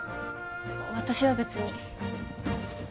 私は別に。